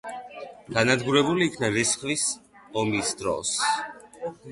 განადგურებული იქნა რისხვის ომის დროს.